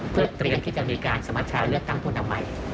เพื่อเตรียมที่จะมีการสมาชาเลือกตั้งพุนธรรมไหม